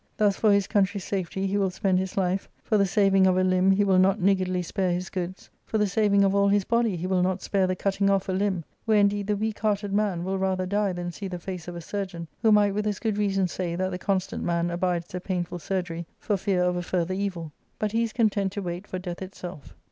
Thus for his country's safety he will spend his life, for the saving of a limb he will not niggardly spare Jiis goods, for the saving of all his body he will not spare the cutting off a Umb, where indeed the weak hearted man will rather die than see the face of a surgeon, who might with as good reason say that the constant man abides the painful surgery for fear of a further evil ; but he is content to wait for death itself.